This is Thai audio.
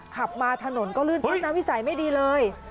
ขับมาถนนก็ลื่นขึ้นนะวิสัยไม่ดีเลย